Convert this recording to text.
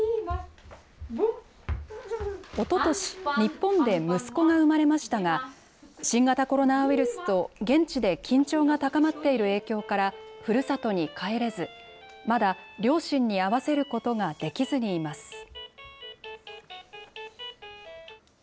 おととし、日本で息子が産まれましたが、新型コロナウイルスと現地で緊張が高まっている影響からふるさとに帰れず、まだ両親に会わせることができずにいます。